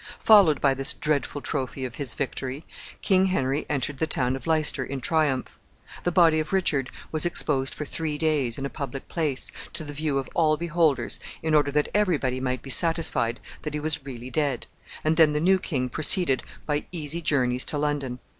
Followed by this dreadful trophy of his victory, King Henry entered the town of Leicester in triumph. The body of Richard was exposed for three days, in a public place, to the view of all beholders, in order that every body might be satisfied that he was really dead, and then the new king proceeded by easy journeys to London.